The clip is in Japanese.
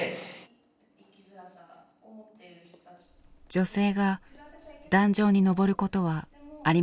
女性が壇上に登ることはありませんでした。